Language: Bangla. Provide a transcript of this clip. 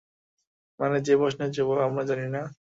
মানে, যে প্রশ্নের জবাব আমরা জানি না।